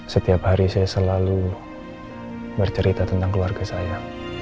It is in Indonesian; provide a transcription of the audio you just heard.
setiap hari saya selalu bercerita tentang keluarga saya